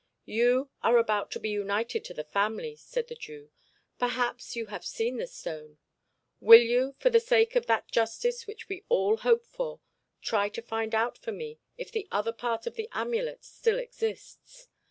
'You are about to be united to the family,' said the Jew; 'perhaps you have seen the stone. Will you, for the sake of that justice which we all hope for, try to find out for me if the other part of the amulet still exists?